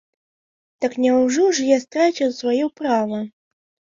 Так няўжо ж я страціў сваё права?